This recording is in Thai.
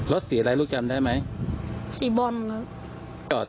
สีอะไรลูกจำได้ไหมสีบอลครับ